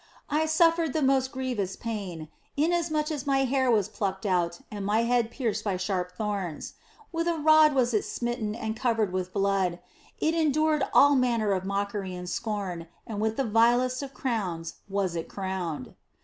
I suffered the most grievous pain inasmuch as My hair was plucked out and my head pierced by sharp thorns ; with a rod was it smitten and 216 THE BLESSED ANGELA covered with blood, it endured all manner of mockery and scorn, and with the vilest of crowns was it crowned.